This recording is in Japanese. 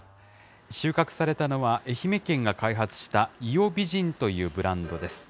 収穫されたのは愛媛県が開発した伊予美人というブランドです。